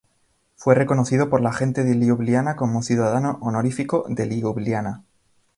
Fue reconocido por la gente de Liubliana como "ciudadano honorífico de Liubliana".